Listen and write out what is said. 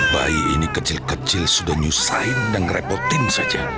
bayi ini kecil kecil sudah nyusahin dan ngerepotin saja